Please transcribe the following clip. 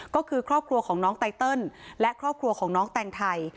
ก็คือครอบครัวของน้องไตเติลและครอบครัวของน้องแตงไทย